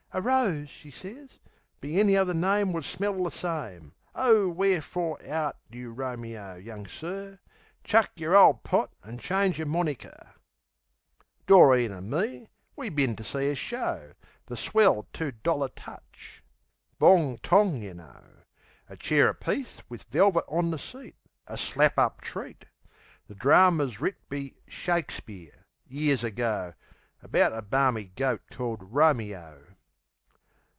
"A rose," she sez, "be any other name Would smell the same. Oh, w'erefore art you Romeo, young sir? Chuck yer ole pot, an' change yer moniker!" Doreen an' me, we bin to see a show The swell two dollar touch. Bong tong, yeh know. A chair apiece wiv velvit on the seat; A slap up treat. The drarmer's writ be Shakespeare, years ago, About a barmy goat called Romeo.